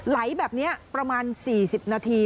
ไหลแบบนี้ประมาณ๔๐นาที